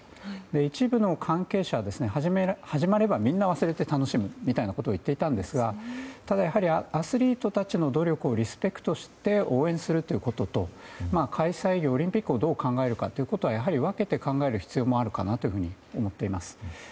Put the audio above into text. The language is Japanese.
一部の関係者は始まればみんな忘れて楽しむみたいなことを言っていたんですがやはりアスリートたちの努力をリスペクトして応援することとオリンピックをどう考えるかということはやはり分けて考える必要もあるかなと思っています。